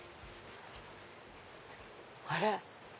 あれ？